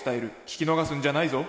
「聞き逃すんじゃないぞ」。